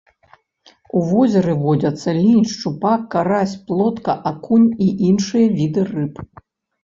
У возеры водзяцца лінь, шчупак, карась, плотка, акунь і іншыя віды рыб.